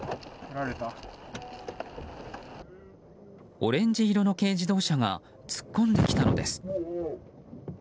オレンジ色の軽自動車が突っ込んできたのです。